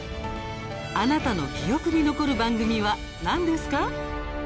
あなたの記憶に残る番組は何ですか？